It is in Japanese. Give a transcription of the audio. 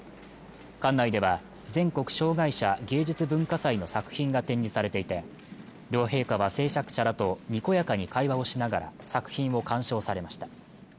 館内では全国障害者芸術文化祭の作品が展示されていて両陛下は制作者らとにこやかに会話をしながら作品を鑑賞されました